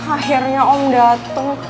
akhirnya om dateng